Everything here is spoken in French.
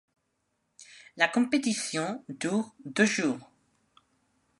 La compétition dure deux jours.